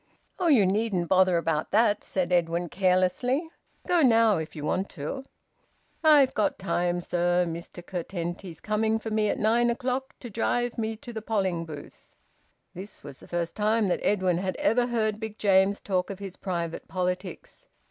"Oh, you needn't bother about that," said Edwin carelessly. "Go now if you want to." "I've got time, sir. Mr Curtenty's coming for me at nine o'clock to drive me to th' polling booth." This was the first time that Edwin had ever heard Big James talk of his private politics.